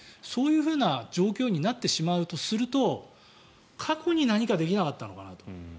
そういうふうな状況になってしまうとすると過去に何かできなかったのかなと。